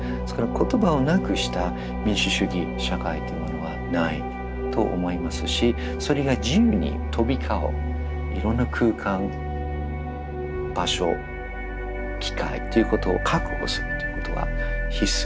言葉をなくした民主主義社会というものはないと思いますしそれが自由に飛び交ういろんな空間場所機会っていうことを確保するっていうことは必須。